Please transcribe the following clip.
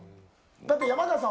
だって、山川さん